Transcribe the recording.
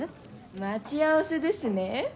待ち合わせですね？